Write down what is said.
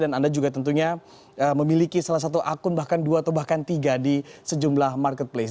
dan anda juga tentunya memiliki salah satu akun bahkan dua atau bahkan tiga di sejumlah marketplace